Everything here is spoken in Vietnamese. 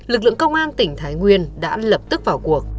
lực lượng công an tỉnh thái nguyên đã lập tức vào cuộc